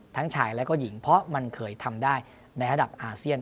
ทั้งชายและก็หญิงเพราะมันเคยทำได้ในระดับอาเซียน